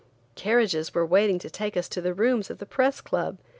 Carriages were waiting to take us to the rooms of the Press Club.